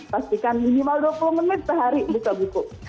pastikan minimal dua puluh menit sehari buka buku